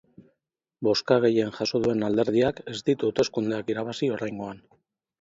Bozka gehien jaso duen alderdiak ez ditu hauteskundeak irabazi oraingoan.